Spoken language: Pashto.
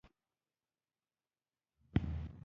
نوې هڅه زړورتیا ته اړتیا لري